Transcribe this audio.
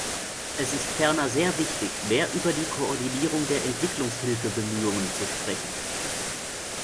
Es ist ferner sehr wichtig, mehr über die Koordinierung der Entwicklungshilfebemühungen zu sprechen.